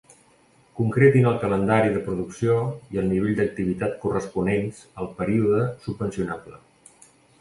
Concretin el calendari de producció i el nivell d'activitat corresponents al període subvencionable.